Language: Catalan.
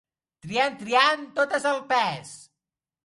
Triant, triant, totes al pes.